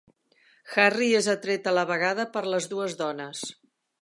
Harry és atret a la vegada per les dues dones.